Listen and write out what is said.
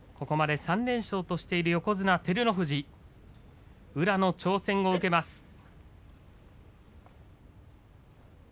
ここまで３連勝としている横綱照ノ富士宇良の挑戦を受けます。